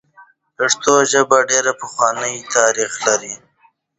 پښتو ژبه ډېر پخوانی تاریخ لري.